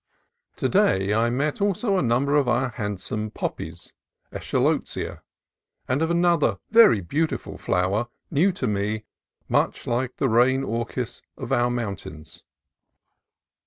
To day I met also a num ber of our handsome poppies (Eschscholtzia) , and of another very beautiful flower, new to me, much like the rein orchis of our mountains.